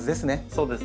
そうですね。